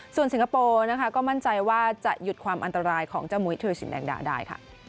ส่วนสิงคโปร์นะคะก็มั่นใจว่าจะหยุดความอันตรายของเจ้ามุยธุรสินแดงดาได้ค่ะ